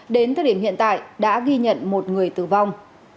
đến thời điểm hiện tại đã ghi nhận một người tử vong